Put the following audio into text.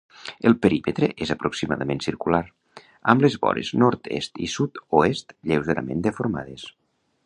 El perímetre és aproximadament circular, amb les vores nord-est i sud-oest lleugerament deformades.